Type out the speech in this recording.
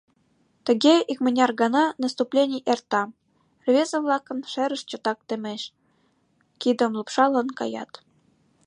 Тыге икмыняр гана «наступлений» эрта, рвезе-влакын шерышт чотак темеш, кидым лупшалын каят.